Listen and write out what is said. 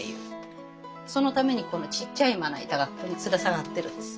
そのためにこのちっちゃいまな板がここにつる下がってるんです。